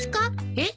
えっ？